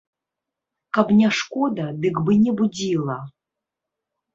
Каб не шкода, дык бы не будзіла.